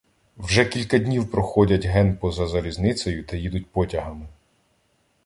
— Вже кілька днів проходять ген поза залізницею та їдуть потягами.